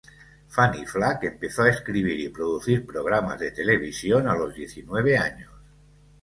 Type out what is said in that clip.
Fannie Flagg empezó a escribir y producir programas de televisión a los diecinueve años.